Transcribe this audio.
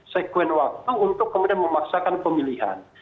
sekuen waktu untuk kemudian memaksakan pemilihan